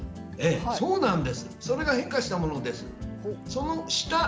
それが変化したものです。